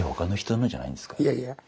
いやいや。